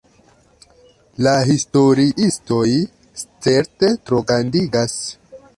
La historiistoj certe trograndigas!